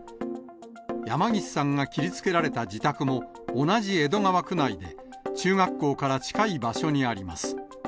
山岸さんが切りつけられた自宅も、同じ江戸川区内で、中学校から近い場所にあります。